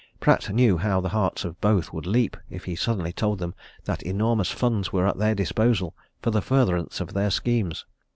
Pratt knew how the hearts of both would leap, if he suddenly told them that enormous funds were at their disposal for the furtherance of their schemes.